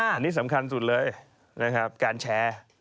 อันนี้สำคัญสุดเลยนะครับการแชร์